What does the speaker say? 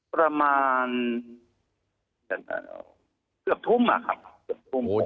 ประมาณเกือบทุ่มอะครับ